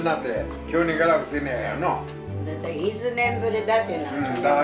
１年ぶりだけ。